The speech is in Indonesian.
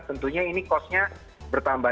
tentunya ini costnya bertambah